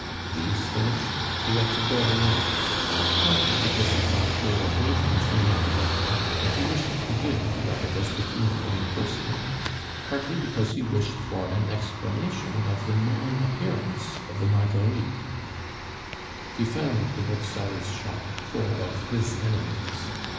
These finished, he went to Dauriat's, partly because he felt sure of meeting Finot there, and he wished to give the articles to Finot in person; partly because he wished for an explanation of the non appearance of the Marguerites. He found the bookseller's shop full of his enemies.